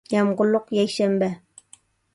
يامغۇرلۇق يەكشەنبە